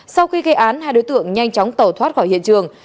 sau khi gây án hai đối tượng nhanh chóng tẩu thoát khỏi hiện trường